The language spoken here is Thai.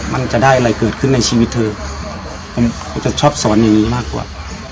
มันจะได้อะไรเกิดขึ้นในชีวิตเธอเขาจะชอบสอนอย่างนี้มากกว่า